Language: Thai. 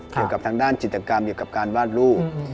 เกี่ยวกับทางด้านจิตกรรมเกี่ยวกับการวาดรูป